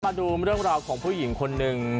มาดูเรื่องราวของผู้หญิงคนหนึ่ง